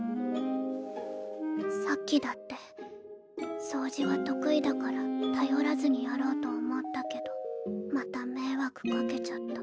さっきだって掃除は得意だから頼らずにやろうと思ったけどまた迷惑かけちゃった。